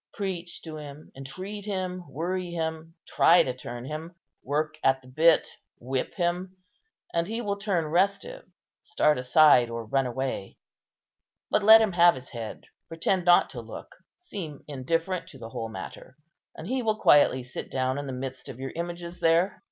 Preach to him, entreat him, worry him, try to turn him, work at the bit, whip him, and he will turn restive, start aside, or run away; but let him have his head, pretend not to look, seem indifferent to the whole matter, and he will quietly sit down in the midst of your images there.